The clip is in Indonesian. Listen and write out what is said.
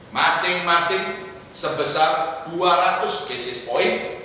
masing masing sebesar dua ratus basis point